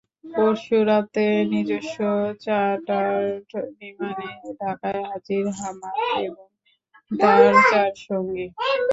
পরশু রাতে নিজস্ব চার্টার্ড বিমানে ঢাকায় হাজির হামাদ এবং তাঁর চার সঙ্গী।